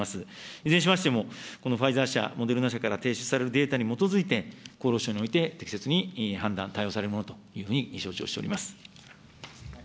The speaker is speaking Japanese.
いずれにしましても、このファイザー社、モデルナ社から提出されるデータに基づいて、厚労省において適切に判断、対応されるものというふうに承知をしております。